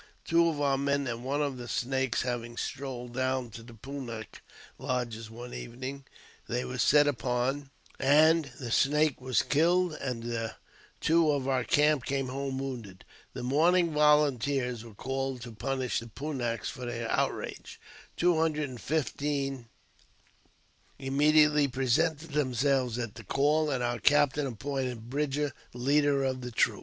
Two of our men and one of the Snakes having strolled down! to the Pun nak lodges one evening, they were set upon, and] the Snake was killed, and the two of our camp came home] wounded. The morning volunteers were called to punish the Pun naks for theij: outrage. Two hundred and fifteen im mediately presented themselves at the call, and our captaii appointed Bridger leader of the troop.